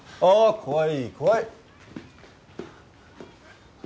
あ怖い怖い。